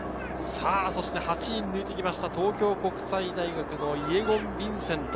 そして８人抜いてきました、東京国際大学のイェゴン・ヴィンセント。